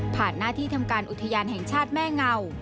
หน้าที่ทำการอุทยานแห่งชาติแม่เงา